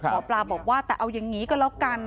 หมอปลาบอกว่าแต่เอาอย่างนี้ก็แล้วกัน